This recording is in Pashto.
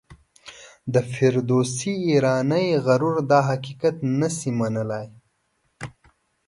د فردوسي ایرانی غرور دا حقیقت نه شي منلای.